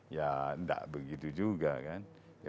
ya tidak begitu juga kan